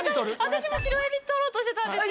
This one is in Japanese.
私も白えび取ろうとしてたんですが。